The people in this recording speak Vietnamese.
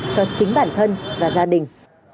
cho chính bản thân và gia đình